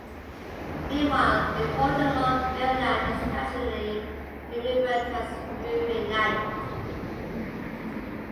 Meanwhile, in Baltimore, Maryland it has traditionally been referred to as "Moving Night".